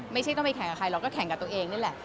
ไม่ใช่ต้องไปแข่งกับใครเราก็แข่งกับตัวเองนี่แหละ